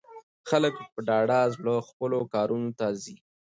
خلک په ډاډه زړه خپلو کارونو ته ځي.